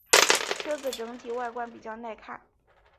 车子整体外观比较耐看。